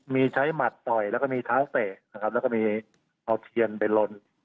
มีใช้หมัดต่อยแล้วก็มีเท้าเตะนะครับแล้วก็มีเอาเทียนไปลน